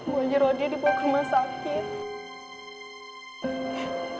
gue aja roh dia di pokok rumah sakit